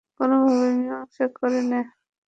কোনোভাবে মীমাংসা করে নে।